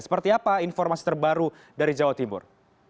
seperti apa informasi terbaru dari jawa timur